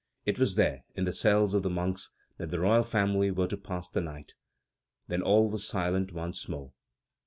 It was there, in the cells of the monks, that the royal family were to pass the night. Then all was silent once more.